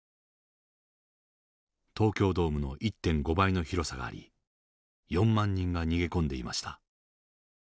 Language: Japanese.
東京ドームの１．５倍の広さがあり４万人が逃げ込んでいました。